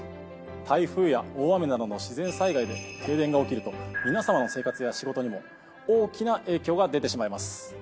台風や大雨などの自然災害で停電が起きると皆さまの生活や仕事にも大きな影響が出てしまいます。